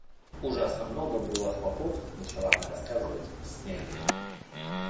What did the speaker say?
Ужасно много было хлопот, — начала она рассказывать, — с нянями.